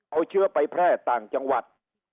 เอาเชื้อไปแพร่ต่างจังหวัด